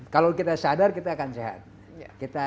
kalau kita sadar kita akan sehat